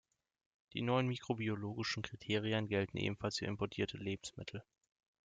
Die neuen mikrobiologischen Kriterien gelten ebenfalls für importierte Lebensmittel.